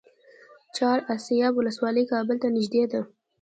چهار اسیاب ولسوالۍ کابل ته نږدې ده؟